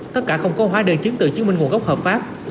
tất cả không có hóa đơn chứng từ chứng minh nguồn gốc hợp pháp